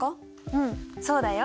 うんそうだよ。